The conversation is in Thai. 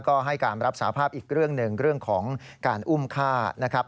ก็ให้การรับสาภาพอีกเรื่องหนึ่งเรื่องของการอุ้มฆ่านะครับ